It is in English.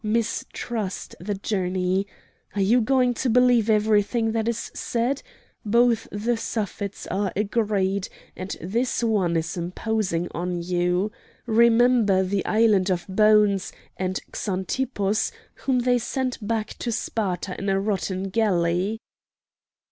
Mistrust the journey! Are you going to believe everything that is said? Both the Suffets are agreed, and this one is imposing on you! Remember the Island of Bones, and Xanthippus, whom they sent back to Sparta in a rotten galley!"